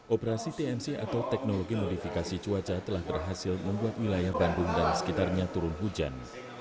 operasi tmc atau teknologi modifikasi cuaca telah berhasil membuat wilayah bandung dan sekitarnya turun hujan